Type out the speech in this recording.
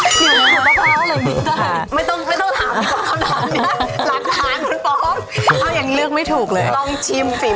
สิ่งให้คุณพร้อมฟ้าว่าอะไรอีกได้